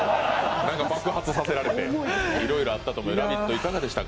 爆発させられていろいろありましたが「ラヴィット！」はいかがでしたか？